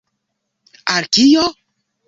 Al kio?